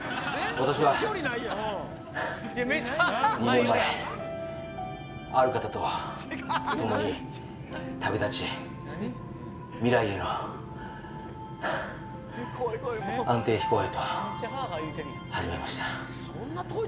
私は２年前ある方と共に旅立ち未来への安定飛行へと始めました。